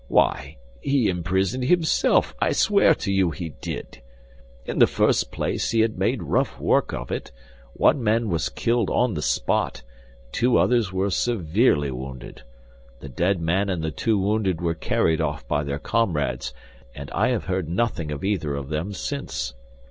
Why, he imprisoned himself, I swear to you he did. In the first place he had made rough work of it; one man was killed on the spot, and two others were severely wounded. The dead man and the two wounded were carried off by their comrades, and I have heard nothing of either of them since.